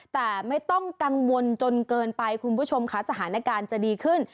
แต่ไม่ต้องกังวลจนเกินไปคุณผู้ชมค่ะสถานการณ์จะดีขึ้น